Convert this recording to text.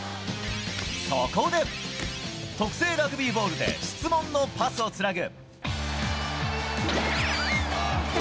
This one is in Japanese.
そこで、特製ラグビーボールで質問のパスをつなぐ。